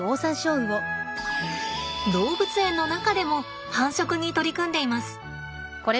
動物園の中でも繁殖に取り組んでいます。